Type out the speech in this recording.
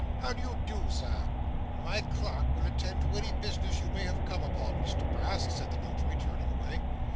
How do you do, sir?' 'My clerk will attend to any business you may have come upon, Mr Brass,' said the notary, turning away.